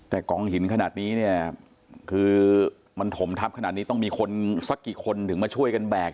แต่กองหินขนาดนี้เนี่ยคือมันถมทับขนาดนี้ต้องมีคนสักกี่คนถึงมาช่วยกันแบก